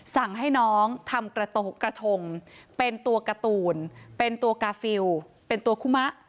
สั่งให้น้องทำกระทงเป็นตัวการ์ตูนเป็นตัวกาฟิลเป็นตัวคุมะ